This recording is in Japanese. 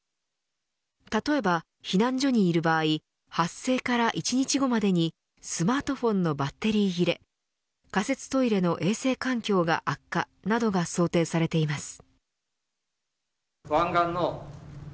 例えば避難所にいる場合発生から１日後までにスマートフォンのバッテリー切れ仮設トイレの衛生環境が悪化などが想定されています。